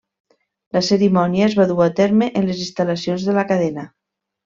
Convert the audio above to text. La cerimònia es va dur a terme en les instal·lacions de la cadena.